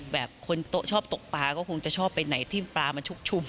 แบบคนโต๊ะชอบตกปลาก็คงจะชอบไปไหนที่ปลามันชุกชุม